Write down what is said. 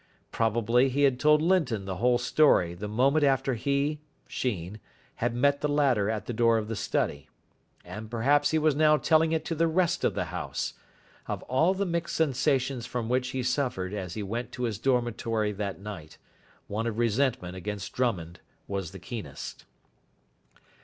Probably he had told Linton the whole story the moment after he, Sheen, had met the latter at the door of the study. And perhaps he was now telling it to the rest of the house. Of all the mixed sensations from which he suffered as he went to his dormitory that night, one of resentment against Drummond was the keenest.